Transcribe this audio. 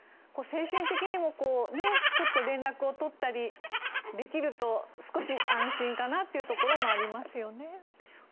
精神的にもちょっと連絡を取ったりできると少し安心かなというところもありますよね。